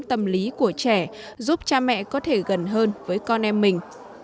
tâm lý của trẻ giúp cha mẹ có thể gần hơn với con em mình